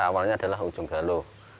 awalnya adalah ujung galuh